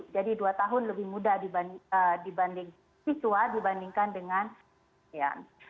jadi dua tahun lebih mudah dibandingkan dengan asean